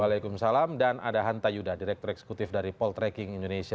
waalaikumsalam dan ada hanta yuda direktur eksekutif dari poltreking indonesia